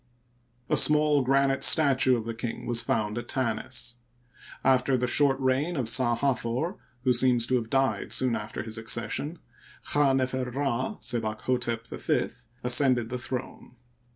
A small granite statue of the king was found at Tanis. After the •short reign of Sa Hatkor, who seems to have died soon after his accession, Chd nefer Rd, SebakhStep V, ascended the throne.